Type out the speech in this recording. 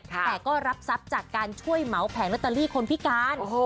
แต่ก็รับทรัพย์จากการช่วยเหมาแผงลอตเตอรี่คนพิการ